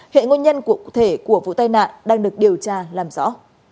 hệ nguyên nhân cụ thể của vụ tai nạn đang được điều tra làm rõ